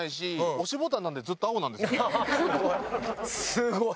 すごい！